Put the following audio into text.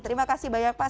terima kasih banyak pak